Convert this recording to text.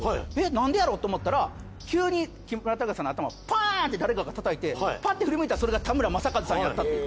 なんでやろと思ったら急に木村拓哉さんの頭をパーンって誰かが叩いてパッて振り向いたらそれが田村正和さんやったっていう。